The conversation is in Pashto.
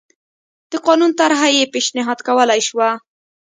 د قانون طرحه یې پېشنهاد کولای شوه